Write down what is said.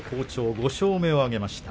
５勝目を挙げました。